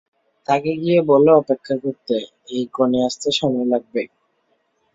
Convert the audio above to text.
তাকে গিয়ে বলো অপেক্ষা করতে এই কনে আসতে সময় লাগাবে।